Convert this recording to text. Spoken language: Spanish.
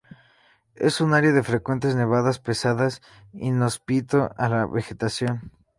Es un área de frecuentes nevadas pesadas, inhóspito a la vegetación.